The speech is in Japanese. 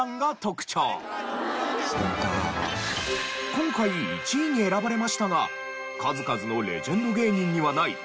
今回１位に選ばれましたが数々のレジェンド芸人にはないその理由が。